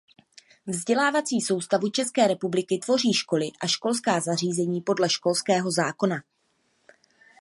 Vzdělávací soustavu České republiky tvoří školy a školská zařízení podle školského zákona.